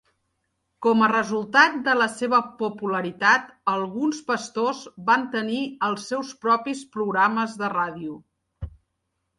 Com a resultat de la seva popularitat, alguns pastors van tenir els seus propis programes de ràdio.